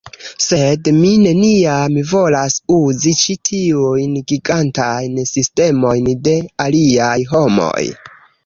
Sed mi neniam volas uzi ĉi tiujn gigantajn sistemojn de aliaj homoj